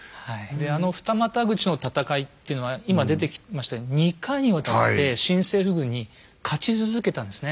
であの二股口の戦いっていうのは今出てきましたように２回にわたって新政府軍に勝ち続けたんですね。